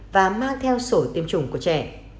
và mang theo sổ tiêm chủng của trẻ